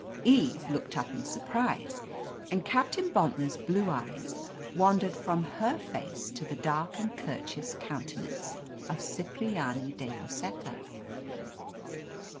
"' Eve looked up in surprise, and Captain Bontnor's blue eyes wandered from her face to the dark and courteous countenance of Cipriani de Lloseta.